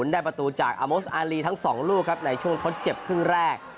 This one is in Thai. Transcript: ได้ประตูจากอาโมสอารีทั้งสองลูกครับในช่วงทดเจ็บครึ่งแรก